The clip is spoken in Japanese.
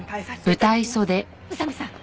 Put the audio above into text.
宇佐見さん